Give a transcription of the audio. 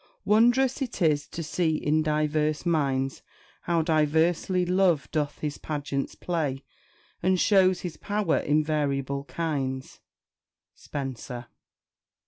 "Wondrous it is, to see in diverse mindes How diversly Love doth his pageants play And shows his power in variable kinds." SPENSER.